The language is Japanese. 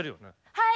はい。